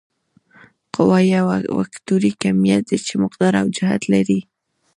قوه یو وکتوري کمیت دی چې مقدار او جهت لري.